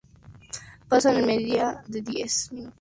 Pasan en una media de diez minutos y la carrera cuesta unos tres lei.